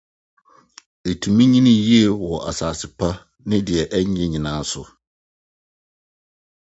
Etumi nyin yiye wɔ asase pa ne nea enye nyinaa so.